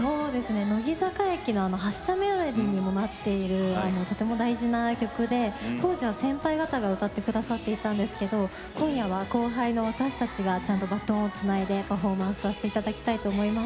乃木坂駅の発車メロディーにもなっているとても大事な曲で当時は先輩方が歌っていてくださったんですけれども今夜は後輩の私たちがちゃんとバトンをつないでパフォーマンスさせていただきたいと思います。